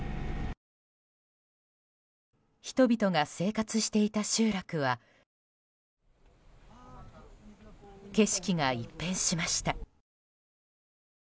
人々が生活していた集落は景色が一変しました。